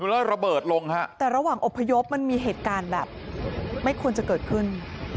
แล้วระเบิดลงฮะแต่ระหว่างอบพยพมันมีเหตุการณ์แบบไม่ควรจะเกิดขึ้น